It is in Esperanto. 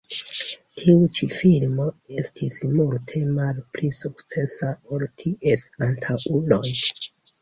Tiu ĉi filmo estis multe malpli sukcesa ol ties antaŭuloj.